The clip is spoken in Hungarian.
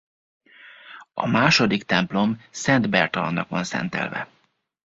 A második templom Szent Bertalannak van szentelve.